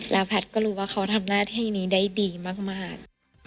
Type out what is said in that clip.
แล้วแพทย์ก็รู้ว่าเขาทำหน้าที่นี้ได้ดีมาก